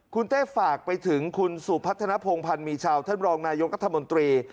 คุณเต้ฝากไปถึงคุณสุพัฒนภงพันธ์มีชาวท่านรองนายกรัฐมนตรี